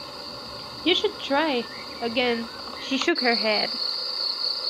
“You should try!” Again she shook her head.